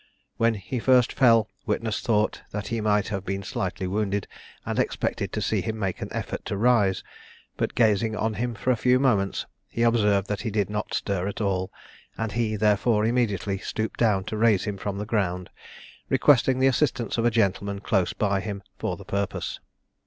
When he first fell, witness thought that he might have been slightly wounded, and expected to see him make an effort to rise; but gazing on him for a few moments, he observed that he did not stir at all, and he, therefore, immediately stooped down to raise him from the ground, requesting the assistance of a gentleman close by him for the purpose.